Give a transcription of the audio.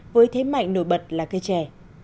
với thế mạnh nổi bật là cây trè